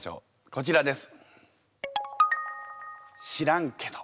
こちらです。